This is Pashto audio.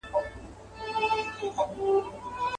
له عطاره دوکان پاته سو هک پک سو.